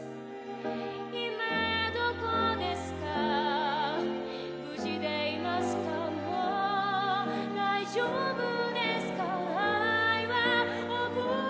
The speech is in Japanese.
「『今どこですか無事でいますかもう大丈夫ですか愛を覚えましたか』」